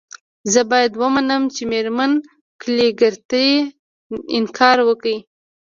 زه باید ومنم چې میرمن کلیګرتي انکار وکړ